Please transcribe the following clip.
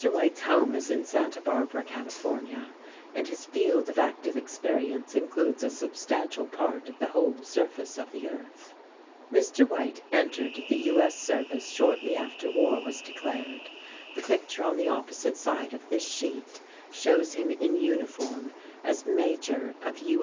White's home is in Santa Barbara, California, and his field of active experience includes a substantial part of the whole surface of the earth. Mr. White entered the U. S. Service shortly after war was declared. The picture on the opposite side of this sheet shows him in uniform as Major of U.